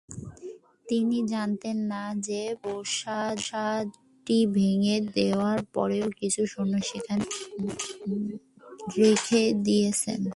তিনি জানতেন না যে প্রাসাদটি ভেঙে দেওয়ার পরেও কিছু সৈন্য সেখানে রেখে দিয়েছেন।